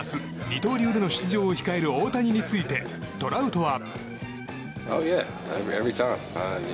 二刀流での出場を控える大谷について、トラウトは。